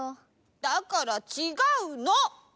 だからちがうの！